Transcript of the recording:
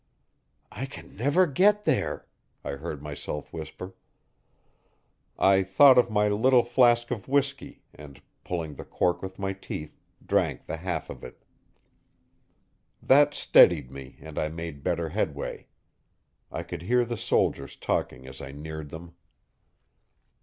'I can never get there,' I heard myself whisper. I thought of my little flask of whiskey, and, pulling the cork with my teeth, drank the half of it. That steadied me and I made better headway. I could hear the soldiers talking as I neared them.